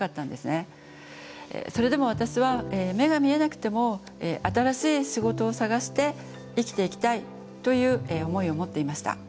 それでも私は目が見えなくても新しい仕事を探して生きていきたいという思いを持っていました。